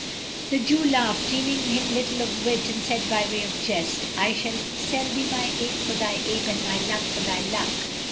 The Jew laughed, deeming him little of wit, and said by way of jest, "I sell thee my ape for thy ape and my luck for thy luck.